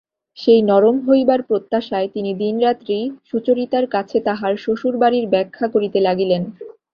সেই নরম হইবার প্রত্যাশায় তিনি দিনরাত্রি সুচরিতার কাছে তাঁহার শ্বশুরবাড়ির ব্যাখ্যা করিতে লাগিলেন।